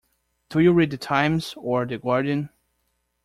Do you read The Times or The Guardian?